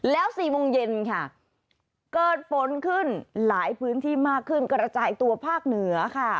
แล้ว๔โมงเย็นค่ะเกิดฝนขึ้นหลายพื้นที่มากขึ้นกระจายตัวภาคเหนือค่ะ